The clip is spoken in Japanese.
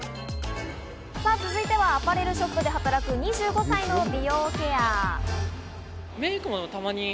さあ、続いてはアパレルショップで働く２５歳の美容ケア。